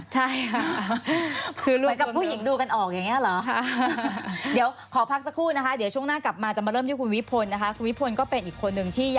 สุข์กลางจมั้ยเราเนี่ย